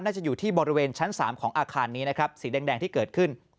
น่าจะอยู่ที่บริเวณชั้น๓ของอาคารนี้นะครับสีแดงที่เกิดขึ้น